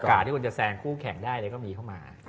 โอกาสที่คุณจะแซงคู่แข่งได้เลยก็มีเข้ามา